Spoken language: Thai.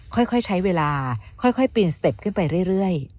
ค่อยใช้เวลาค่อยปีนสเต็ปขึ้นไปเรื่อย